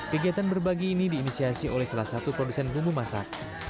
kegiatan berbagi ini diinisiasi oleh salah satu produsen bumbu masak